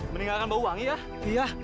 meninggalkan bau wangi ya